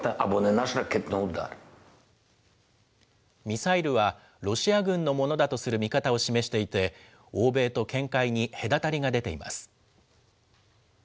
ミサイルは、ロシア軍のものだとする見方を示していて、欧米と見解に隔たりが出ています。